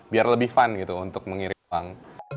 biar lebih fun gitu untuk mengirim uang